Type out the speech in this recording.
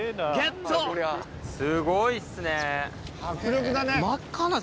すごいっすね。